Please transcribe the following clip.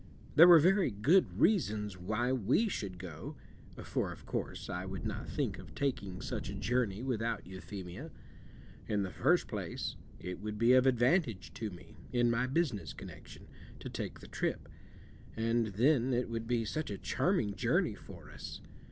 There were very good reasons why we should go (for of course I would not think of taking such a journey without Euphemia). In the first place, it would be of advantage to me, in my business connection, to take the trip, and then it would be such a charming journey for us.